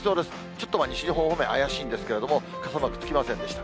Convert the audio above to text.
ちょっと西日本方面、怪しいんですけれども、傘マークつきませんでした。